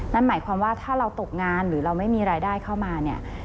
นั่นหมายความว่าถ้าเราตกงานหรือเราไม่มีรายได้เข้ามาเนี่ย